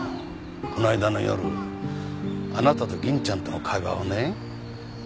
この間の夜あなたと銀ちゃんとの会話をね。